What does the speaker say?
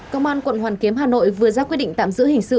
công an quận hoàn kiếm hà nội vừa ra quyết định tạm giữ hình sự